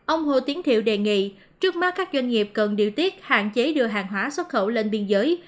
ông hồ tiến thiệu đề nghị trước mắt các doanh nghiệp cần điều tiết hạn chế đưa hàng hóa xuất khẩu lên biên giới